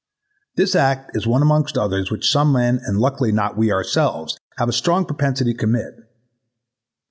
This act is one amongst others which some men and luckily not we ourselves have a strong propensity to commit.